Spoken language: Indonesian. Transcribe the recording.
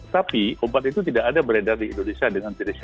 tapi obat itu tidak ada beredar di indonesia dengan ciri yang sama